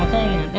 minah menang minah